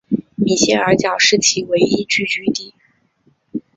米歇尔角是其唯一聚居地。